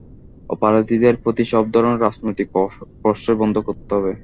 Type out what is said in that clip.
অপরাধীদের প্রতি সব ধরনের রাজনৈতিক প্রশ্রয় বন্ধ করতে হবে।